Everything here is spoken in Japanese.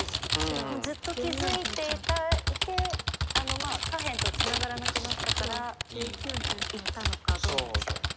もうずっと気付いていて下辺とツナがらなくなったからいったのかどうなんでしょうね。